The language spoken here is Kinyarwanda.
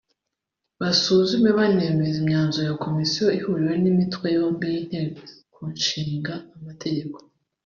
basuzume banemeze imyanzuro ya Komisiyo ihuriweho n’Imitwe yombi y’Inteko Ishinga Amategeko